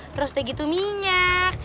terus udah gitu minyak